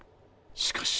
しかし。